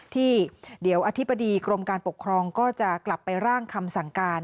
ที่เดี๋ยวอธิบดีกรมการปกครองก็จะกลับไปร่างคำสั่งการ